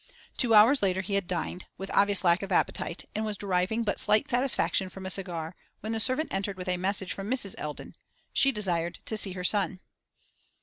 Two hours later he had dined, with obvious lack of appetite, and was deriving but slight satisfaction from a cigar, when the servant entered with a message from Mrs. Eldon: she desired to see her son.